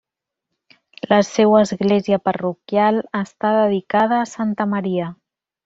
La seua església parroquial està dedicada a Santa Maria.